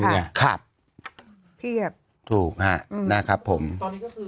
เทียบนะครับผมตอนนี้ก็คือ